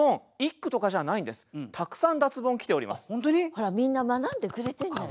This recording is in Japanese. ほらみんな学んでくれてんだよ。